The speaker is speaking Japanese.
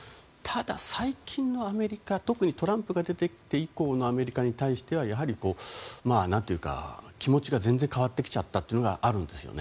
ただ、最近のアメリカ特にトランプが出てきて以降のアメリカに対してはやはり、気持ちが全然変わってきちゃったというのがあるんです。